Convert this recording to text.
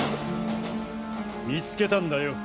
見つけたんだよ